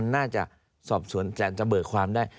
น่าจะสอบสอนจะเบิดความได้